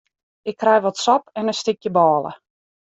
Ik krij wat sop en in stikje bôle.